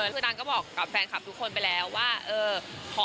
คือนางก็บอกกับแฟนคลับทุกคนไปแล้วว่าเออ